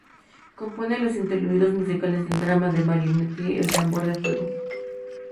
Compone los interludios musicales del drama de Marinetti "El tambor de fuego".